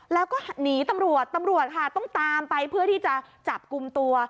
แล้วก็หนีตำรวจตำรวจค่ะต้องตามไปเพื่อที่จะจับกลุ่มตัว